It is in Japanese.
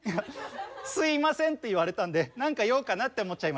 「すいません」って言われたんで何か用かなって思っちゃいました。